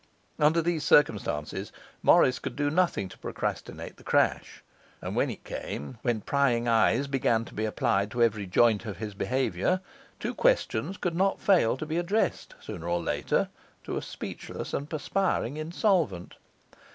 Under these circumstances, Morris could do nothing to procrastinate the crash; and, when it came, when prying eyes began to be applied to every joint of his behaviour, two questions could not fail to be addressed, sooner or later, to a speechless and perspiring insolvent.